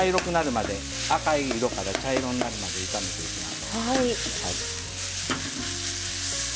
赤い色から茶色になるまで炒めていきます。